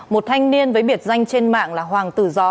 một thanh niên với biệt danh trên mạng là hoàng tử gió